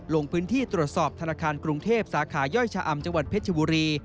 ลงพื้นที่ตรวจสอบธนาคารกรุงเทพสาขาย่อยชะอำจังหวัดเพชรบุรี